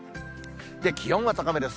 気温は高めです。